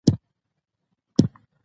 روغتیا لوی نعمت دئ.